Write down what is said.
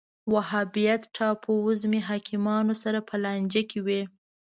وهابیت ټاپووزمې حاکمانو سره لانجه کې و